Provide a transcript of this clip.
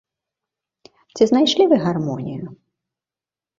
Ці знайшлі вы гармонію?